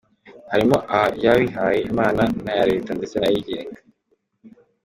Harimo ayabihaye imana naya leta ndetse nayigenga.